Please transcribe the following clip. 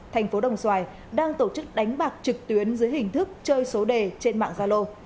thành phố đồng xoài đang tổ chức đánh bạc trực tuyến dưới hình thức chơi số đề trên mạng gia lô